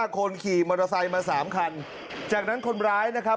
คนขี่มอเตอร์ไซค์มา๓คันจากนั้นคนร้ายนะครับ